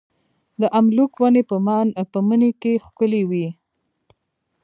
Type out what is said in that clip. د املوک ونې په مني کې ښکلې وي.